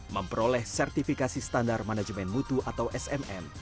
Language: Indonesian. memperoleh sertifikasi standar manajemen mutu atau smm